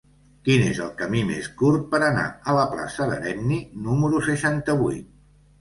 Quin és el camí més curt per anar a la plaça d'Herenni número seixanta-vuit?